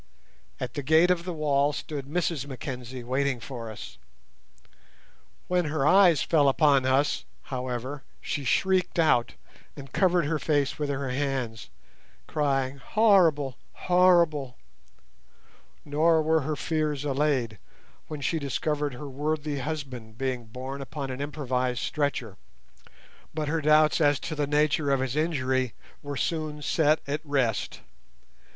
At the gate of the wall stood Mrs Mackenzie waiting for us. When her eyes fell upon us, however, she shrieked out, and covered her face with her hands, crying, "Horrible, horrible!" Nor were her fears allayed when she discovered her worthy husband being borne upon an improvised stretcher; but her doubts as to the nature of his injury were soon set at rest.